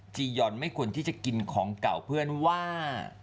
จียอนไม่ควรที่จะกินของเก่าเพื่อนว่า